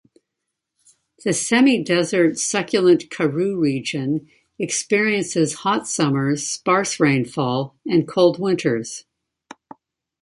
The semi-desert Succulent Karoo region experiences hot summers, sparse rainfall and cold winters.